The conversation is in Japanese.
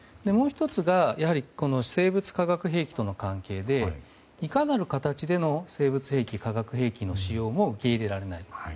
もう１つが生物・化学兵器との関係でいかなる形での生物兵器、化学兵器の使用は受け入れられない。